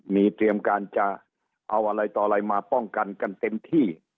มีเตรียมการจะเอาอะไรต่ออะไรมาป้องกันกันเต็มที่